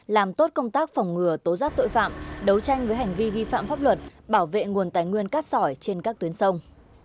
làm tốt công tác phòng ngừa tố giác tội phạm đấu tranh với hành vi vi phạm pháp luật bảo vệ nguồn tài nguyên cát sỏi trên các tuyến sông